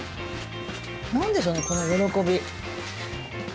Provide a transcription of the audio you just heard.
何でしょうね、この喜び。